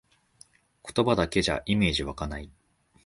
言葉だけじゃイメージわかない